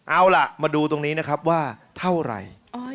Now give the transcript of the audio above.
เอาล่ะมาดูตรงนี้นะครับว่าเท่าไหร่